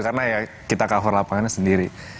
karena ya kita cover lapangannya sendiri